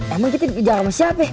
emang kita dikejar sama siapa ya